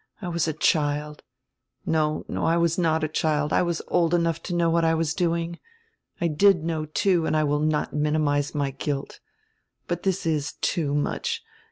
I was a child — No, no, I was not a child, I was old enough to know what I was doing. I did 'know, too, and I will not minimize my guilt But this is too much.